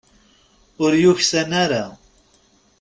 Ur yuksan ara.